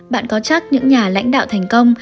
bạn có chắc những nhà lãnh đạo thành công